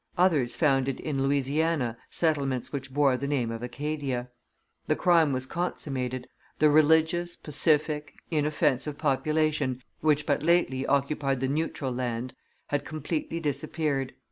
Others founded in Louisiana settlements which bore the name of Acadia. The crime was consummated: the religious, pacific, inoffensive population, which but lately occupied the neutral land, had completely disappeared.